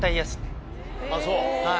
あっそう。